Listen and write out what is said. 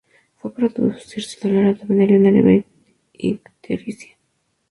Puede producirse dolor abdominal y una leve ictericia.